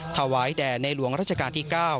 ถวายแด่ในหลวงราชการที่๙